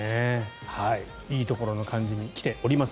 いいところの感じに来ています